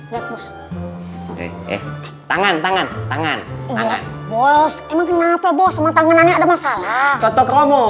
tangan tangan tangan tangan bos kenapa bos mantan ada masalah